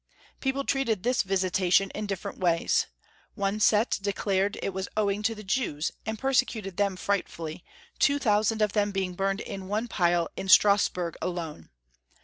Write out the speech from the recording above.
People treated this visitation in different ways. One set declared it was owing to the* Jews, and persecuted them frightfully, 2000 of them being burned in one pile in Strasburg alone.